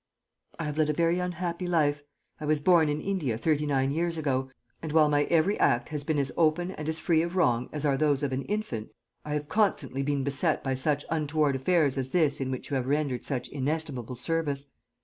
"I have led a very unhappy life. I was born in India thirty nine years ago, and while my every act has been as open and as free of wrong as are those of an infant, I have constantly been beset by such untoward affairs as this in which you have rendered such inestimable service.